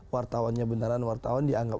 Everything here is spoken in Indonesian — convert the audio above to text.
wartawannya benaran wartawan dianggap